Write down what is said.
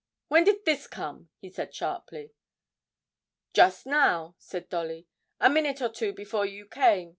'When did this come?' he said sharply. 'Just now,' said Dolly; 'a minute or two before you came.